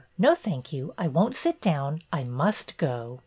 No, thank you, I won't sit down. I must go."